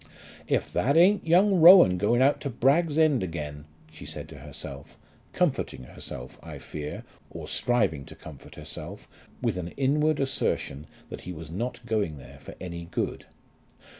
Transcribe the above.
"If there ain't young Rowan going out to Bragg's End again!" she said to herself, comforting herself, I fear, or striving to comfort herself, with an inward assertion that he was not going there for any good.